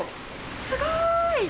すごーい。